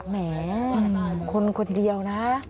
แหมคนคนเดียวนะ